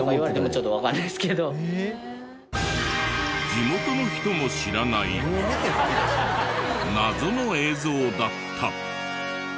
地元の人も知らない謎の映像だった。